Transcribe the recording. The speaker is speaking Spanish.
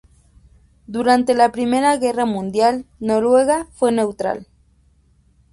Durante la Primera Guerra Mundial, Noruega fue neutral.